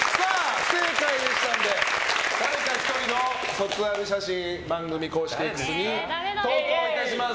不正解でしたので誰か１人の卒アル写真、番組公式Ｘに投稿いたします。